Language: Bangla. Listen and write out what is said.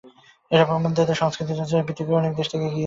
এটা প্রমাণ দেয়, সংস্কৃতিচর্চায় আমরা পৃথিবীর অনেক দেশ থেকে এগিয়ে আছি।